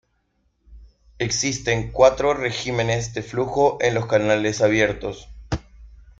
Existen cuatro regímenes de flujo en los canales abiertos.